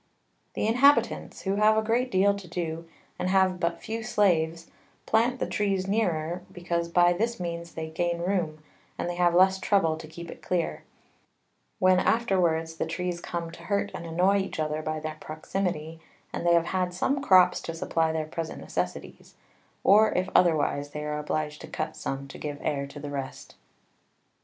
The Inhabitants, who have a great deal to do, and have but few Slaves, plant the Trees nearer, because by this means they gain room, and they have less trouble to keep it clear; when afterwards the Trees come to hurt and annoy each other by their Proximity, and they have had some Crops to supply their present Necessities: or if otherwise, they are obliged to cut some to give Air to the rest.